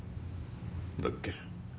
だっけ？